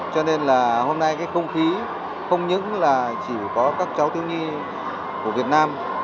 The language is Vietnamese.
cho nên là hôm nay cái không khí không những là chỉ có các cháu thiếu nhi của việt nam